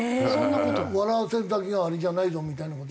「笑わせるだけがあれじゃないぞ」みたいな事言われて。